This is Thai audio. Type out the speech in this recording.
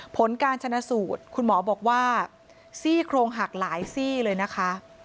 ผลการชนะสูตรคุณหมอบอกว่าซี่โครงหักหลายซี่เลยนะคะ